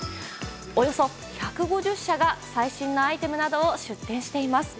およそ１５０社が最新のアイテムなどを出展しています。